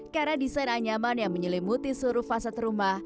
karena desain anyaman yang menyelimuti seluruh fasad rumah